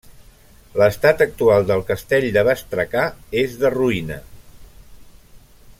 L'estat actual del castell de Bestracà és de ruïna.